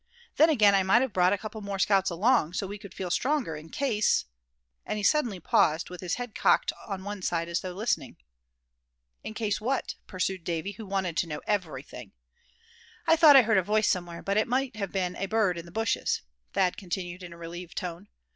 Then again, I might have brought a couple more scouts along, so we could feel stronger, in case " and he suddenly paused, with his head cocked on one side as though listening. "In case, what?" pursued Davy, who wanted to know everything. "I thought I heard a voice somewhere, but it might have been a bird in the bushes," Thad continued, in a relieved tone.